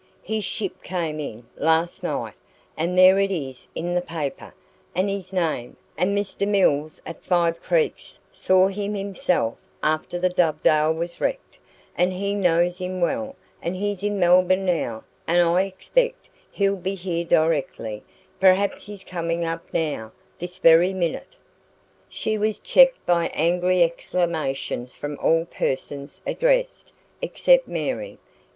His ship came in last night, and there it is in the paper, and his name; and Mr Mills at Five Creeks saw him himself after the Dovedale was wrecked, and he knows him well, and he's in Melbourne now, and I expect he'll be here directly perhaps he's coming up now, this very minute " She was checked by angry exclamations from all persons addressed, except Mary.